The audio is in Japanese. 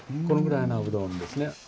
このぐらいなうどんですね。